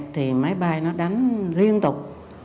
thì máy bay nó đánh liên tục